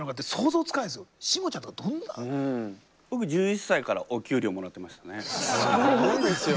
僕１１歳からお給料もらってましたね。